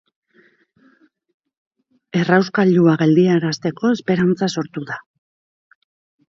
Errauskailua geldiarazteko esperantza sortu da.